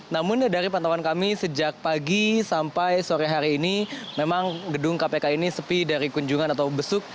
namun dari pantauan kami sejak pagi sampai sore hari ini memang gedung kpk ini sepi dari kunjungan atau besuk